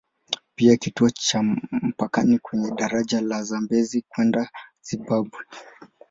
Pia ni kituo cha mpakani kwenye daraja la Zambezi kwenda Zimbabwe.